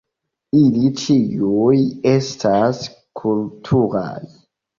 Ili ĉiuj estas kulturaj.